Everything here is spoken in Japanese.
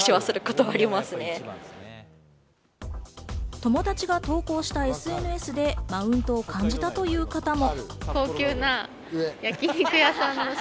友達が投稿したＳＮＳでマウントを感じたという方も。